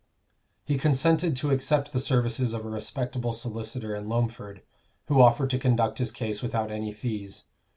He consented to accept the services of a respectable solicitor in Loamford, who offered to conduct his case without any fees.